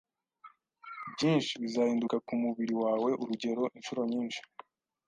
byinshi bizahinduka ku mubiri wawe Urugero incuro nyinshi